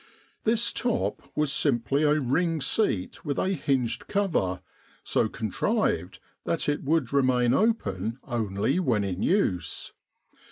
This top was simply a ring seat with a hinged cover so contrived that it would remain open only when in use.